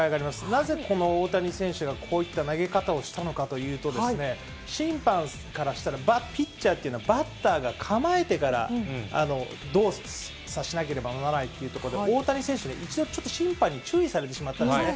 なぜこの大谷選手がこういった投げ方をしたのかというとですね、審判からしたら、ピッチャーというのはバッターが構えてから、動作しなければならないというところで、大谷選手、一度、ちょっと審判に注意されてしまったんですね。